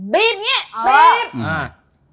บีบงนี่